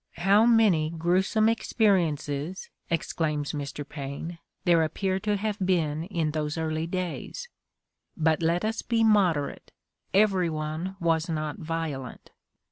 "How many gruesome experiences," exclaims Mr. Paine, "there appear to have been in those early days !'' But let us be moderate : every one was not violent.